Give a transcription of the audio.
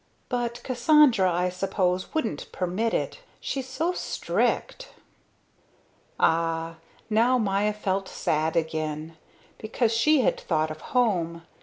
But Cassandra, I suppose, wouldn't permit it. She's so strict." Ah, now Maya felt sad again. Because she had thought of home.